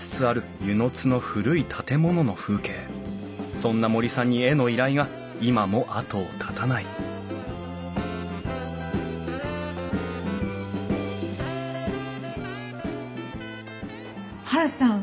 そんな森さんに絵の依頼が今も後を絶たないハルさん。